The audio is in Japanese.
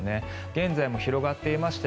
現在も広がっていまして